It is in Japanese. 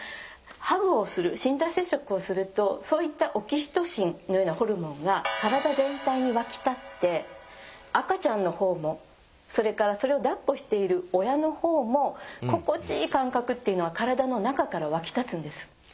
ハグをする身体接触をするとそういったオキシトシンのようなホルモンが体全体にわき立って赤ちゃんの方もそれからそれをだっこしている親の方も心地いい感覚っていうのは体の中からわき立つんです。